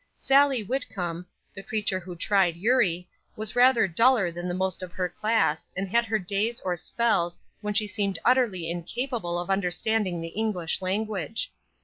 Sallie Whitcomb, the creature who tried Eurie, was rather duller than the most of her class and had her days or spells when she seemed utterly incapable of understanding the English language.